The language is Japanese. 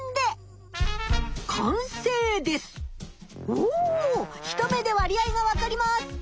おお一目で割合がわかります！